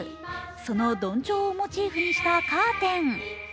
どのどんちょうをモチーフにしたカーテン。